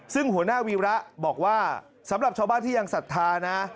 ซึ่งหัวหน้าวีระบอกว่าสำหรับชาวบ้านที่ยังศรัทธานะ